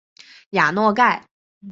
雅洛盖。